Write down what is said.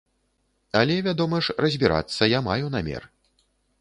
Але, вядома ж, разбірацца я маю намер.